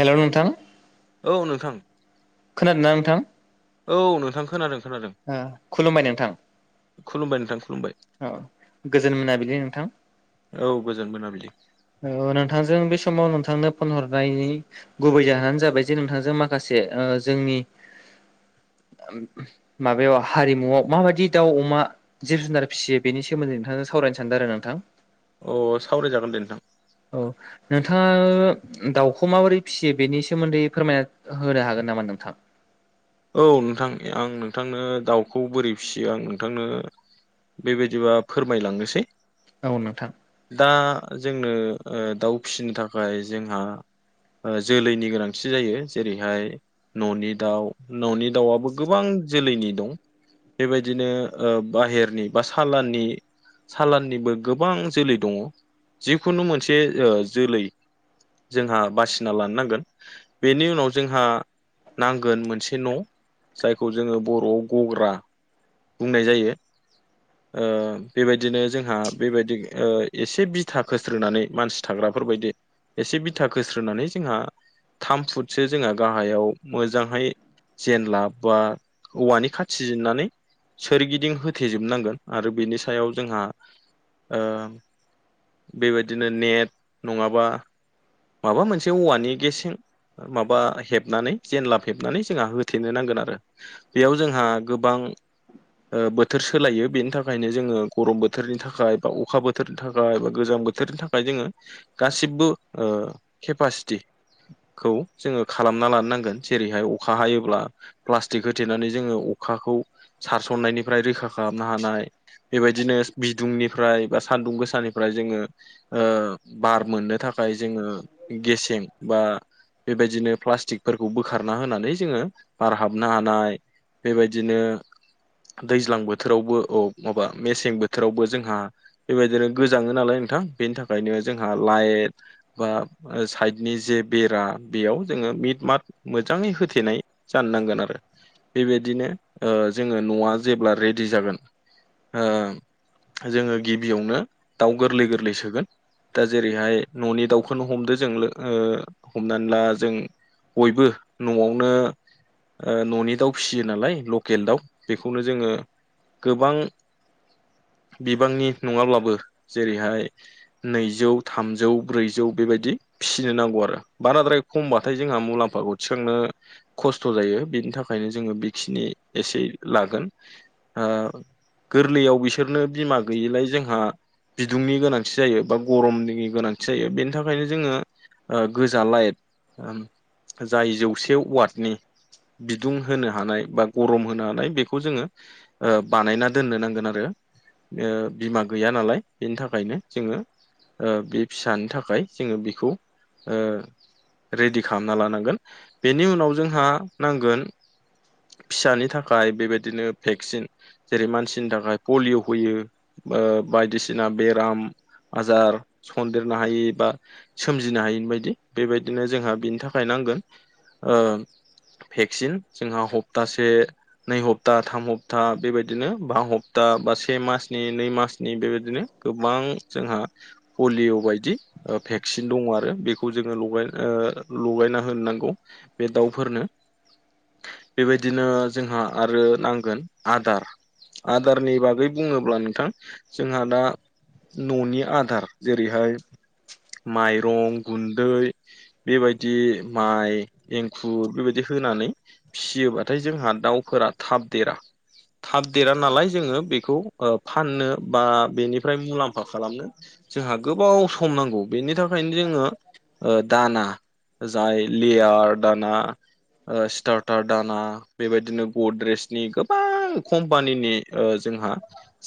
हेल' नोंथां। औ नोंथां। खोनादोंना नोंथां? औ नोंथां खोनादों। खोनादों ओ खुलुमबाय नोंथां। खुलुमबाय नोंथां। खुलुमबाय औ गोजोन मोनाबिलि नोंथां। औ गोजोन मोनाबिलि। औ नोंथांजों बे समाव नोंथांनो फन हरनायनि गुबै जाहोनानो जाबाय जे नोंथांजों माखासे ओ जोंनि माबायाव हारिमुआव माबादि दाउ, अमा, जिब जुनार फिसियो बेनि सोमोन्दै नोंथांजों सावराय सावरायनो सानदों आरो नोंथां। अ सावरायजागोन दे नोंथां औ नोंथाङा दाउखौ माबोरै फिसियो बेनि सोमोन्दै फोरमायना होनो हागोन नामा नोंथां औ नोंथां आं नोंथांनो दाउखौ बोरै फिसियो आं नोंथांनो बेबायदिबा फोरमायलांनोसै औ नोंथां दा जोंनो दाउ फिसिनो थाखाय जोंहा जोलैनि गोनांथि जायो जेरैहाय न'नि दाउ न'नि दाउआबो गोबां जोलैनि दं बेबायदिनो बाहेरनि बा सालाननि सालाननिबो गोबां जोलै दङ जिखुनु मोनसे जोलै जोंहा बासिना लानो नांगोन बेनि उनाव जोंहा नांगोन मोनसे मोनसे न' जायखौ जोङो बर'आव गग्रा बुंनाय जायो बेबायदिनो जोंहा बेबायदि एसे बिथा खोस्रोनानै मानसि थाग्रा फोरबायदि एसे बिथा होस्रोनानै जोंहा थाम फुटसो जोंहा गाहायाव मोजांहाय जेनला बा औवानि खाथि जेननानै सोरगिदिं होथेजोबनांगोन आरो बेनि सायाव जोंहा ओ बेबायदिनो नेट नङाबा माबा मोनसे औवानि गेसें माबा हेबनानै जेनलाब हेबनानै जोंहा होथेनो नांगोन आरो बेयाव जोंहा गोबां बोथोर सोलायो बेनि थाखायनो जोङो गरम बोथोरनि थाखाय बा अखा बोथोरनि थाखाय बा गोजां बोथोरनि थाखाय जोङो गासिबो केपासिटि खौ जोङो खालामना लानो नांगोन जेरैहाय अखा हायोब्ला प्लास्टिक होथेनानै जोङो अखाखौ सारसननायनिफ्राय रैखा खालामनो हानाय बेबायदिनो बिदुंनिफ्राय बा सान्दुं गोसानिफ्राय जोङोओ बार मोननो थाखाय जोंङो गिसेब बा बेबायदिनो प्लास्टिकफोरखौ बोखारना होनानै जोङो बार हाबनो हानाय बेबायदिनो दैज्लां बोथोरावबो औ माबा मेसें बोथोरावबो जोंहा बेबायदिनो गोजाङो नालाय बेनि थाखायनो जोंहा लाइट बा साइडनि जे बेरा बेयाव जोङो मिट माद मोजाङै होथेनाय जानो नांगोन आरो बेबायदिनो जोङो न'आ जेब्ला रेडि जागोन जोङो गिबियावनो दाउ गोरलै गोरलै सोगोन दा जेरैहाय न'नि दाउखौनो हमदो जों हमनानै ला जों बयबो न'आवनो न'नि दाउ फिसियो नालाय लकेल दाउ बेखौनो जोङो गोबां [inaudible] बिबांनि नङाब्लाबो जेरैहाय नैजौ थामजौ ब्रैजौ बेबायदि फिसिनो नांगौ आरो बाराद्राय खमबाथाय जोंहा मुलाम्फाखौ थिख सोंनो खस्थ' जायो बेनि थाखायनो जोङो बेखिनि एसे लागोन गोरलैयाव बिसोरनो बिमा गैयिलाय जोंहा बिदुंनि गोनांथि जायो बा गरमनि गोनांथि जायो बेनि थाखायनो जोङो गोजा लाइट जाय जौसे वार्डनि बिदुं होनो हानाय बा गरम होनो हानाय बेखौ जोङो बानायना दोननो नांगोन आरो बिमा गैया नालाय बेनि थाखायनो जोङो बे फिसानि थाखाय जोङो बेखौ रेडि खालामना लानांगोन बेनि उनाव जोंहा नांगोन फिसानि थाखाय बेबायदिनो भेक्सिन जेरै मानसिनि थाखाय पलिय' होयो ओ बायदिसिना बेराम आजार सन्देरनो हायि बा सोमजिनो हायिनि बायदि बेबायदिनो जोंहा बेनि थाखाय नांगोन ओ भेक्सिन जोंहा हप्तासे नै हप्ता थाम हप्ता बेबायदिनो बा हप्ता बा से मनि नै मासनि बेबायदिनो गोबां जोंहा पलिअ' बायदि भेक्सिन दङ आरो बेखौ जोङो लगायना लगायना होनो नां गौ बे दाउफोरनो। बेबायदिनो जोंहा आरो नांगोन आदार आदारनि बागै बुङोब्ला नोंथां जोंहा दा न'नि आदार जेरैहाय माइरं गुन्दै बेबायदि माइ एंखुर बेबायदि होनानै फिसियोबाथाय जोंहा दाउफोरा थाब देरा थाब देरा नालाय जोङो बेखौ फाननो बा बेनिफ्राय मुलाम्फ फा खालामनो जोंहा गोबाव सम नांगौ बेनि थाखायनो जोङो दाना जाय लेयार दाना ओ स्टार्टार दाना बेबायदिनो गद्रेजनि गोबां कम्पानिनि जोंहा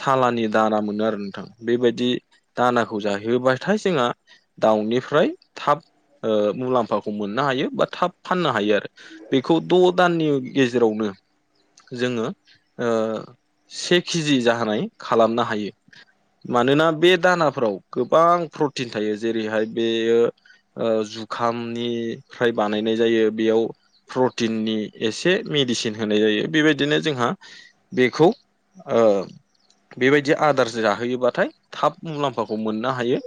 सालानि दारा मोनो आरो नोंथां बेबायदि दानाखौ जाहैबाथाय जोंहा दाउनिफ्राय थाब ओ मुलाम्फाखौ मोनो नो हायो बा थाब फाननो हायो आरो बेखौ द' दाननि गेजेरावनो जोङो ओ से केजि जाहाय खालामनो हायो मानोना बे दानाफोराव गोबां प्रटिन थायो जेरैहाय बेयो ओ जुखामनि फ्राय बानायनाय जायो बेयाव प्रटिननि एसे मेडिसिन होनाय जायो बेबायदिनो जोंहा बेखौ ओ बेबायदि आदार जाहोयोबाथाय थाब मुलाम्फाखौ मोननो हायो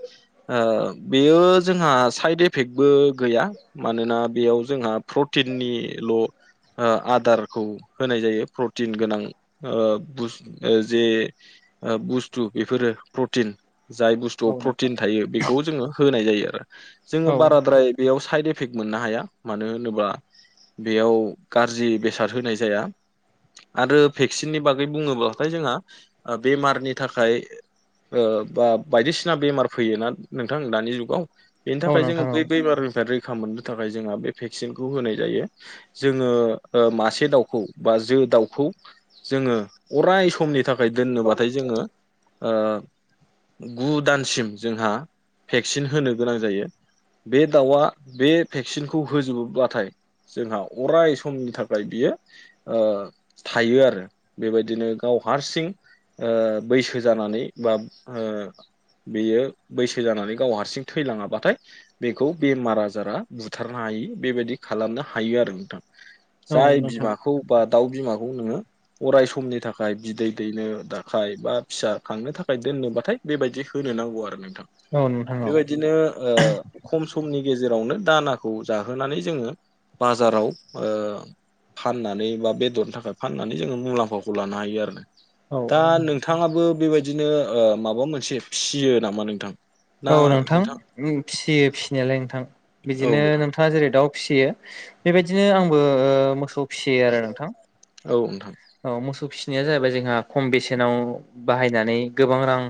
आं बेयो ओ जोंहा साइद इफेक्टबो गैया। मानोना बेयाव जोंहा प्रटिननिल' आदारखौ होनाय जायो प्रटिन गोनां ओ जे बुस्थु बेफोरो प्रटिन जाय औ बुस्थुआव नोंथां प्रटिन थायो बेखौ जोङो होनाय जायो आरो औ जोङो बाराद्राय बेयाव साइद एफे इफेक्ट मोननो हाया मानो होनोब्ला बेयाव गाज्रि बेसाद होनाय जाया आरो भेक्सिननि बागै बुङोब्लाथाय जोंहा बेमारनि थाखाय बा बायदिसिना बेमार फैयोना नोंथां दानि जुगाव बेनि औ थाखाय जोङो नोंथां औ बै बैमारनिफ्राय रै खा मोननो थाखाय जोंहा बे भेक्सिनखौ होनाय जायो जोङो मासे दाउखौ बा जो दाउखौ जोङो अराय समनि थाखाय दोननोबाथाय जोङो ओ गु दानसिम जोंहा भेक्सिन होनो गोनां जायो बे दाउआ बे भेक्सिनखौ होजोबोब्लाथाय जोंहा अराय समनि थाखाय बियो ओ थायो आरो बेबायदिनो गाव हारसिं बैसो जानानै बा बेयो बैसो जानानै गाव हारसिं थैलाङाबाथाय बेखौ बेमार आजार आजारा बुथारनो हायो बेबायदि खालामनो हायो आरो नोंथां औ जाय बिमाखौ बा दाउ बिमाखौ नोङो अराय समनि थाखाय बिदै दैनो थाखाय बा फिसा खांनो थाखाय दोननोबाथाय बेबायदि होनो नो नांगौ आरो नोंथां नोंथां औ बेबायदिनो ओ खम समनि गेज जेरावनो दानाखौ जाहोनानै जोङो बाजाराव ओ फाननानै बा बेदरनि थाखाय फाननानै जोङो मुलाम्फाखौ लानो हायो आरो औ दा औ नोंथाङाबो बेबायदिनो माबा मोनसे फिसियो नामा नोंथां औ नोंथां फियो फिसिनायालाय नोंथां औ बिदिनो नोंथाङा जेरै दा फिसियो बेबायदिनो आंबो मोसौ फिसियो आरो नोंथां नोंथां औ मोसौ फिसि नाया जाहैबाय जोंहा खम बेसेनाव बाहायनानै गोबां रां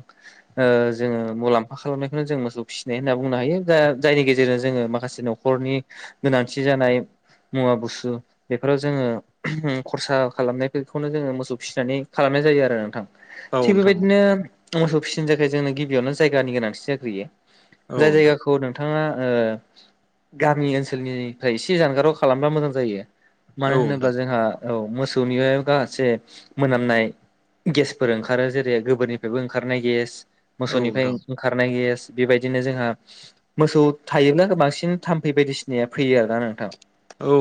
जोङो मुलाम्फा खालामनायखौनो जों मोसौ फिसिनाय होनना बुंनो हायो दा जायनि गेजेरजों जोङो माखासे न'खरनि गोनांथि जानाय जानाय मुवा बुस्थु बेफोराव जोङो खरसा खालामनाय बेखौनो जोङो मोसौ फिसिनानै खालामनाय जायो आरो नोंथां औ थिग नोंथां बेबायदिनो मोसौ फिसिनो थाखाय जोंनो गिबियावनो जायगानि गोनांथि जाग्रोयो औ जाय नोंथां जायगाखौ नोंथा नोथाङा गामि ओनसोलनिफ्राय एसे जानगाराव खालामबा मोजां जायो मानो औ नोंथां औ होनोब्ला नोंथां जोंहा औ मोसौनि माखासे मोनामनाय गेसफोर ओंखारो जेरै गोबोरनिफ्रायबो ओंखारनाय गेस औ मोसौनिफ्राय नोंथां औ ओंखारनाय गेस बेबायदिनो जोंहा मोसौ थायोब्ला बांसिन थाम्फै बायदिसिनाया फैयो आरोना नोंथां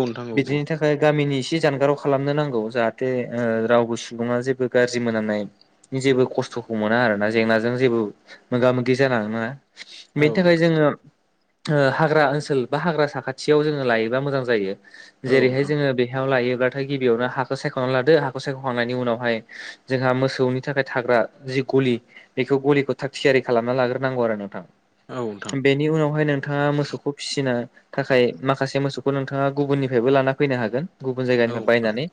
नोंथां औ बिदिनि नोंथां थाखाय गामिनि इसे जानगाराव खालामनो नांगौ जाहाथे दे रावबो सुबुङा जेबो गाज्रि मोनामनाय जेबो खस्थ'खौ मोना आरोना जेंनाजों जेबो मोगा मोगि जानांनाय नङा औ बेनि थाखाय जोङो ओ हाग्रा ओनसोल बा हाग्रा साखाथियाव जोङो लायोबा मोजां जायो औ जेरैहाय नोंथां जोङो बेहाव लायोब्लाथाय गिबियावनो हाखौ सायख' नानै लादो हाखौ सायख'खांनायनि उनावहाय जोंहा मोसौनि थाखाय थाग्रा जि गलि बेखौ गलि बेखौ थाग थियारि खालामना लाग्रोनांगौ आरो नोंथां औ बेनि उनावहाय नोंथाङा मोसौखौ फिसिनो थाखाय माखासे मोसौखौ नोंथाङा गुबुननिफ्रायबो लाना फैनो हागोन गुबुन नोंथां औ जायगानिफ्राय बायनानै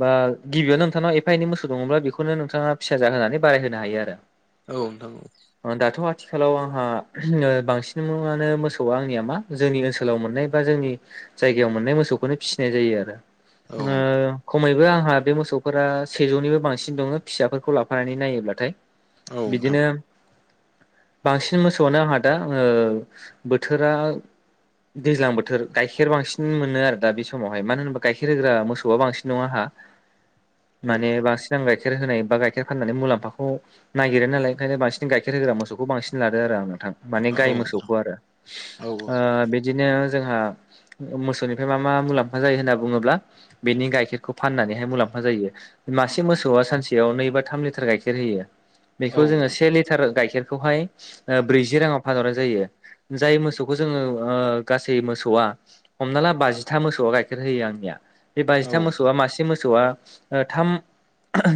बा गिबियाव नोंथांनाव एफा एनै मोसौ दङब्ला बेखौनो नोंथाङा फिसा जाहोनानै बाराय होनो हायो आरो। औ नोंथां। दाथ' आथिखालाव आंहा बांसिन आनो मोसौआ आंनिया मा जोंनि ओनसोलाव मोननाय बा जोंनि जायगायाव मोननाय मोसौखौनो फिसिनाय जायो आरो औ नोंथां ओ खमैबो आंहा बे मोसौफोरा सेजौनिबो बांसिन दङ फिसाफोरखौ लाफानानै नायोब्लाथाय औ बिदिनो बांसिन मोसौआनो आंहा दा बोथोरा दैज्लां बोथोर गाइखेर बांसिन मोनो आरो दा बे समावहाय मानो होनबा गाइखेर होग्रा मोसौआ बांसिन न आंहा माने बांसिनां गाय गाइखेर होनाय बा गाइखेर फाननानैुलामफाखौ नागिरो नालाय ओंखायनो बांसिन गाइखेर होग्रा मोसौखौ बांसिन लादो आरो आङो। माने नोंथां गाय औ मोसौखौ आरो नोंथां औ ओ बिदिनो जोंहा मोसौनिफ्राय मा मा मुलाम्फा जायो होनना बुङोब्ला बेनि गाइखेर खौ फाननानैहाय मुलाम्फा जायो मासे मोसौआ सानसेयाव नै बा थाम लिटार गाइखेर होयो। बेखौ जोङो से लिटार गाइखेरखौहाय ब्रैजि राङाव फानहरनाय जायो। जाय मोसौखौ जोङो ओ गासै मोसौआ हमना ला बाजिथा मोसौआ गाइखेर होयो आंनिया बे नोंथां औ नोंथां औ बाजिथाम मोसौआ मासे मोसौआ थाम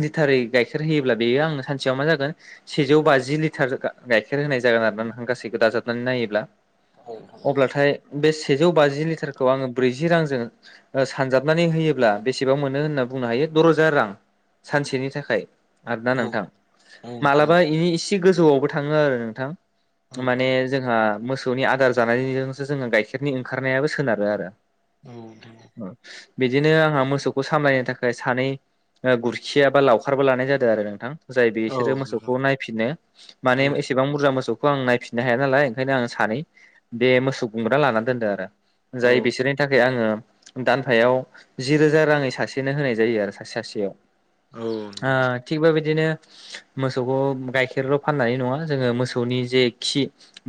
लिटारै गाइखेरै होयोब्ला बेयो आं सानसेयाव मा जागोन सेजौ बाजि लिटार गाइखेर होनाय जागोन आरो ना नोंथां गासैखौ दाजाबनानै नायोब्ला औ अब्लाथाय बे सेजौ बाजि लिटारखौ आङो ब्रैजि रांजों सानजाबनानै होयोब्ला बेसेबां मोनो होनना बुंनो हायो द रोजा रां सानसेनि थाखाय। आरोना औ नोंथां नोंथां औ नोंथां औ मालाबा इनि इसे गोजौआवबो थाङो आरो नोंथां। माने जोंहा मोसौनि आदार जानायजोंसो जोङो गाइखेरनि ओंखारनायाबो सोनारो आरो औ बिदिनो आंहा मोसौखौ सामलायनो थाखाय सानै गुरखिया बा लाउखारबो लानाय जादों आरो नोंथां। जाय बिसोरो मोसौखौ नायफिनो माने एसेबां बुरजा मोसौ बेखौ आं नायफिननो हाया नालाय ओंखायनो आं सानै बे मोसौ गुमग्रा लानानै दोनदों आरो। जाय नोंथां औ नोंथां औ नोंथां औ नोंथां औ नोंथां औ नोंथां औ नोंथां औ नोंथां औ बिसोरनि थाखाय आङो दानफायाव जि रोजा राङै सासेनो होनाय जायो आरो सासे सासेयाव ओ थिग बे बिदिनो मोसौखौ गाइखेरल' फाननानै नङा जोङो मोसौनि जे खि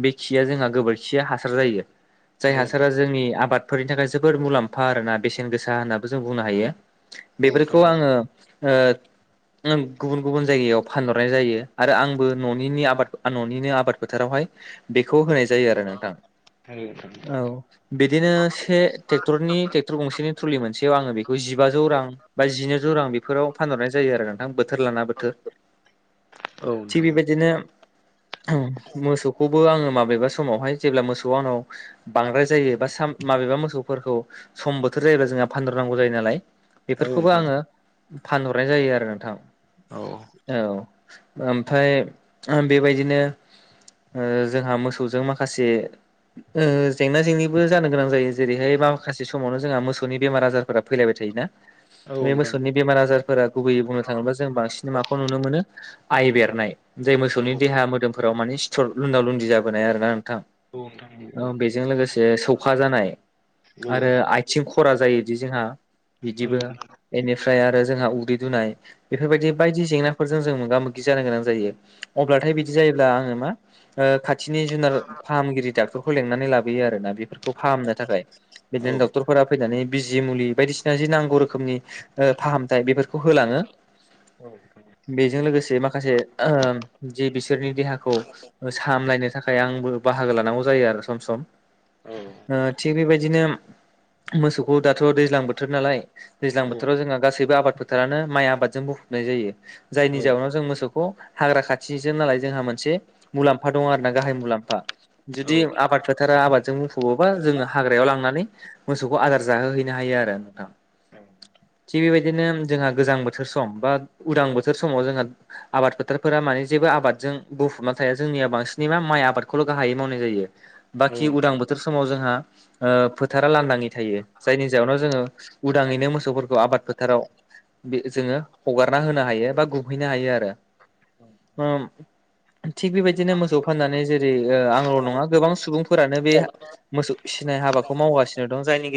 बे खिया जोंहा गोबोरखिया हासार जायो। जाय हासारा जोंनि आबादफोरनि थाखाय जोबोर मुलाम्फा आरोना बेसेन गोसा होन्नाबो जों बुंनो हायो। बेफोरखौ आङो ओ ओम गुबुन गुबुन जायगायाव फानहरनाय जायो आरो आं ननि आबाद न'निनो आबाद फोथारावहाय बेखौ होनाय जायो आरो नोंथां औ बिदिनो से ट्रेक्टरनि ट्रेक्टर गंसेनि थुलि मोनसे आङो बेखौ जिबा जौ रां बा जिनैजौ रां बेफोराव फानहरनाय जायो आरो नोंथां बोथोर लाना बोथोर थिग बिबायदिनो मोसौखौबो आङो माबेबा समावहाय जेब्ला मोसौ आंनाव बांद्राय जायो बा सा मबेबा मोसौफोरखौ सम बोथोर जायोब्ला जोंहा फानहरनांगौ जायो नालाय बेफोरखौबो आङो फानहरनाय जायो आरो नोंथां औ ओमफ्राय बेबायदिनो ओ जोंहा मोसौजों माखासे ओ जेंना जेंनिबो जानो गोनां जायो जेरैहाय माखासे समावनो जोंहा मोसौनि बेमार आजारफोरा फैलायबाय थायोना बे मोसौनि बेमार आजारफोरा गुबैयै बुंनो थाङोब्ला जों बांसिन माखौ नुनो मोनो आइ बेरनाय जाय मोसौनि देहा मोदोमफोराव माने सिथर लुदाव लुदि जाबोनाय आरो ना। ओ बेजों लोगोसे सौखा जानाय आरो आथिं खरा जायोदि जोंहा बिदिबो एन एफ ओमफ्राय आरो जोंहा उदै दुनाय बेफोरबायदि बायदि जेंनाफोरजों जों मोगा मोगि जानो गोनां जायो। अब्लाथाय बिदि जायोब्ला आङो मा ओ खा थिनि जुनार फाहामगिरि डाक्टरखौ लेंनानै लाबोयो आरो ना बेफोरखौ फाहामनो थाखाय। बिदिनो डक्टरफोरा फैनानै बिजि मुलि बायदिसिना जि नांगौ रोखोमनि ओ फाहामथायाइ बेफोरफोर खौ होलाङो। औ औ बेजों लोगोसे माखासे ओ जे बिसोरनि देहाखौ सामलायनो थाखाय आंबो बाहागो लानांगौ जायो आरो सम सम ओ थिग बेबायदिनो मोसौखौ दाथ' दैज्लां बोथोर नालाय दैज्लां बोथोराव जोंहा गासैबो आबाद फोथारानो माइ आबादजों बुफबनाय जायो जायनि जउाव जों मोसौ खौ हाग्रा खाथिजों नालाय जोंहा मोनसे मुलाम्फा दङ आरो ना गाहाय मुलाम्फा। औ जुदि आबाद फोथारा आबादजों बुंफोबा जोङो हाग्रायाव लांनानै मोसौखौ आदार जाहोहैनो हायो आरो नोंथां। थिग बेबायदिनो जोंहा गोजां बोथोर सम बा उदां बोथोर समाव जोंहा आबाद फोथारफोरा माने जेबो आबजों बुफबना थाया जोंनियाव बांसिन मा माइ आबादखौल' गाहायै मावनाय जायो औ बि उदां बोथोर समाव जोंहा ओ फोथार लान्दाङै थायो जायनि जाहनाव जोङो उदाङैनो मोसौफोरखौ आबाद फोथाराव बे जोङो हगारना होनो हायो बा गुमहैनो हायो आरो। ओम थिग बेबायदिनो मोसौ फाननानै जेरै- आंल' नङा गोबां सुबुंफोरानो बे मोसौ फिनाय हाबाखौ मावगासिनो दं जायनि गेजेराव